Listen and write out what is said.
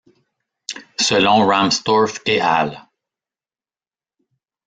Selon Rahmstorf & al.